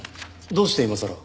どうして今さら？